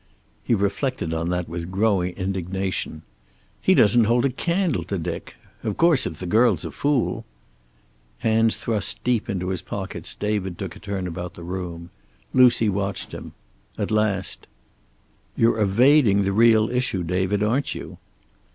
He reflected on that with growing indignation. "He doesn't hold a candle to Dick. Of course, if the girl's a fool " Hands thrust deep into his pockets David took a turn about the room. Lucy watched him. At last: "You're evading the real issue, David, aren't you?"